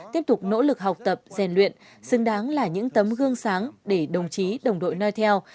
tiếp tục nỗ lực học tập rèn luyện xứng đáng là những tấm gương sáng để đồng chí đồng đội nói theo